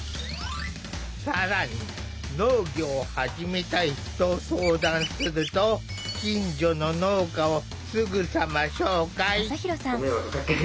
更に農業を始めたいと相談すると近所の農家をすぐさま紹介。